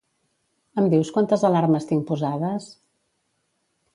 Em dius quantes alarmes tinc posades?